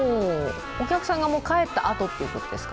お客さんがもう帰ったあとということですか？